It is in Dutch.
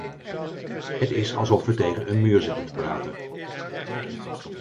Het is alsof we tegen een muur zitten te praten.